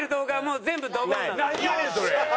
なんやねんそれ！